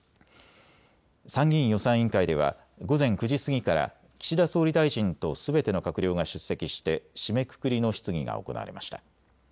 参議院予算委員会では午前９時過ぎから岸田総理大臣とすべての閣僚が出席して締めくくりの質疑が行われました。